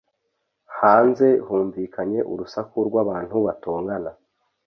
Hanze humvikanye urusaku rw’abantu batongana